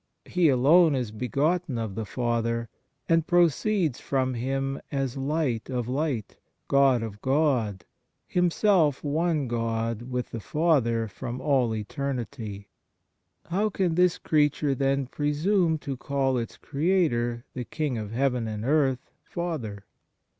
He alone is begotten of the Father, and proceeds from Him as Light of Light, God 1 Peter Chrysol., Horn. 68. 55 THE MARVELS OF DIVINE GRACE of God, Himself One God with the Father from all eternity. How can this creature, then, presume to call its Creator, the King of heaven and earth, Father